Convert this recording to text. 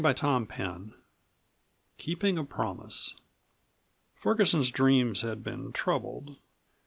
CHAPTER XXII KEEPING A PROMISE Ferguson's dreams had been troubled.